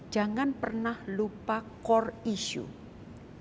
jangan pernah lupa core issue